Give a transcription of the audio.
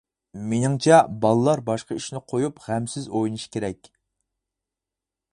مېنىڭچە بالىلار باشقا ئىشنى قويۇپ غەمسىز ئوينىشى كېرەك.